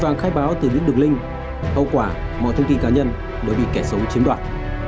vui vàng khai báo từ những đường link hậu quả mọi thông tin cá nhân đều bị kẻ xấu chiếm đoạt